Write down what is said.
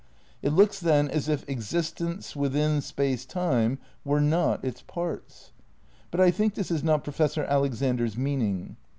It looks then as if existents within Space Time were not its parts. But I think this is not Professor Alexander 's meaning.